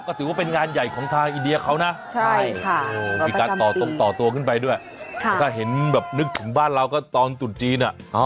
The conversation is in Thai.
ก็ถือว่าเป็นงานใหญ่ของทางอินเดียเขานะมีการต่อตรงต่อตัวขึ้นไปด้วยถ้าเห็นแบบนึกถึงบ้านเราก็ตอนจุดจีน